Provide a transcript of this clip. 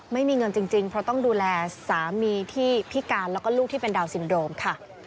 ไม่มีเงินจริงเพราะต้องดูแลสามีที่พิการแล้วก็ลูกที่เป็นดาวนซินโดมค่ะ